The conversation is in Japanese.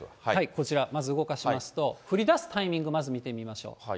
こちら、まず動かしますと、降りだすタイミング、まず見てみましょう。